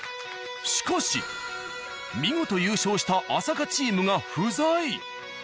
しかし見事優勝した朝霞チームが不在。